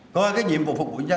còn cái nhiệm vụ phục vụ nhân dân